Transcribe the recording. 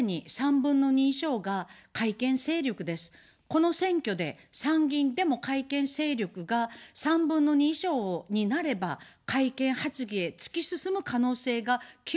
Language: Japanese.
この選挙で、参議院でも改憲勢力が３分の２以上になれば、改憲発議へ突き進む可能性が極めて高いんです。